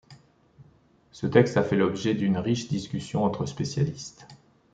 Ce texte a fait l'objet d'une riche discussion entre spécialistes.